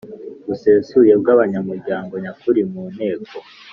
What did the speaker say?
Busesuye bw abanyamuryango nyakuri mu nteko